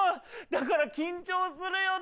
だから緊張するよ。